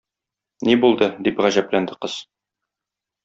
Ни булды? -дип гаҗәпләнде кыз.